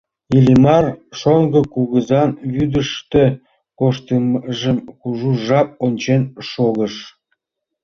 Иллимар «шоҥго кугызан» вӱдыштӧ коштмыжым кужу жап ончен шогыш.